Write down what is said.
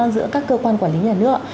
giữa các cơ quan quản lý nhà nước